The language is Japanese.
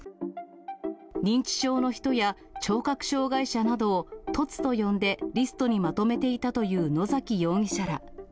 認知症の人や聴覚障がい者などを凸と呼んでリストにまとめていたという野崎容疑者ら。